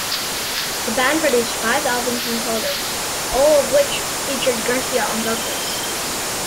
The band produced five albums in total, all of which featured Garcia on vocals.